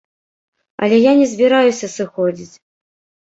Але я не збіраюся сыходзіць.